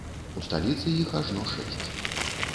У сталіцы іх ажно шэсць.